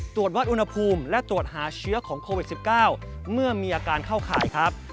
ตรวจวัดอุณหภูมิและตรวจหาเชื้อของโควิด๑๙เมื่อมีอาการเข้าข่ายครับ